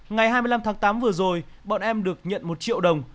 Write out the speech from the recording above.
ngày hai mươi năm tháng tám vừa rồi bọn em được nhận một triệu đồng